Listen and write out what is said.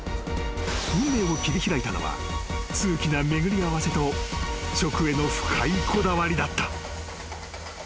［運命を切り開いたのは数奇な巡り合わせと食への深いこだわりだった］